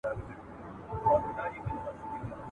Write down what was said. یو جهاني نه یم چي په دام یې کښېوتلی یم `